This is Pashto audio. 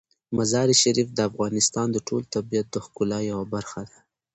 مزارشریف د افغانستان د ټول طبیعت د ښکلا یوه برخه ده.